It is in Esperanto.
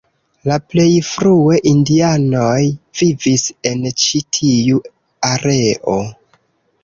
La plej frue indianoj vivis en ĉi tiu areo.